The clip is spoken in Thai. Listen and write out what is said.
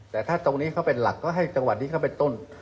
แต่ถ้าตรงนี้เขาเป็นหลักก็ให้จังหวัดนี้เข้าไปต้น